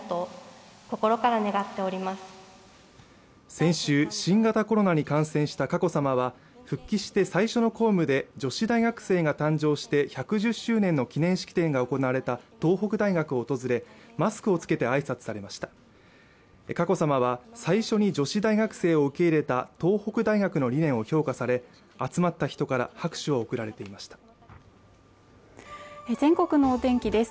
先週新型コロナに感染した佳子さまは復帰して最初の公務で女子大学生が誕生して１１０周年の記念式典が行われた東北大学を訪れマスクを着けて挨拶されました佳子さまは最初に女子大学生を受け入れた東北大学の理念を評価され集まった人から拍手を送られていました全国のお天気です